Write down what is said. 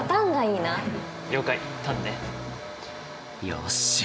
よし。